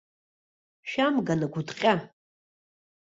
Шәамган агәыҭҟьа!